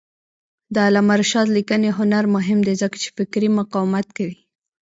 د علامه رشاد لیکنی هنر مهم دی ځکه چې فکري مقاومت کوي.